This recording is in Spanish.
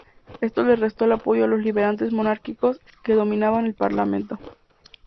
Esto le restó el apoyo de los liberales monárquicos, que dominaban el Parlamento.